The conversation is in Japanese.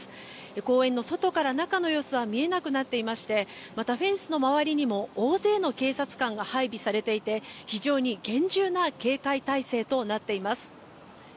公園の外から中の様子は見えなくなっていましてまた、フェンスの周りにも大勢の警察官が配備されていて非常に厳重な警戒態勢となっています。